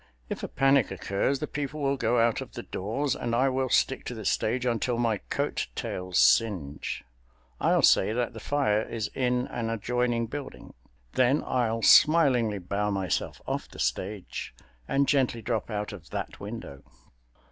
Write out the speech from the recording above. "If a panic occurs, the people will go out of the doors and I will stick to the stage until my coat tails singe. I'll say that the fire is in an adjoining building; then I'll smilingly bow myself off the stage and gently drop out of that window."